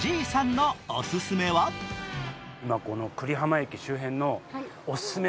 久里浜駅周辺のおすすめ